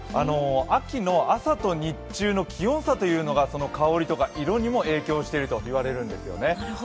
秋の朝と日中の気温差というのが、香りとか色にも影響しているといわれるんですよね。